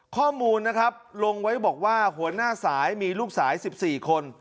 ข้อมูลนะครับลงไว้บอกว่าหัวหน้าสายมีลูกสาย๑๔คน